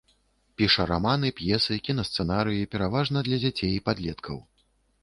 Піша раманы, п'есы, кінасцэнарыі, пераважна для дзяцей і падлеткаў.